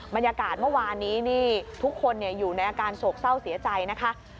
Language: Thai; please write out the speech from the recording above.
บรรยากาศเมื่อวานนี้นี่ทุกคนอยู่ในอาการโศกเศร้าเสียใจนะคะ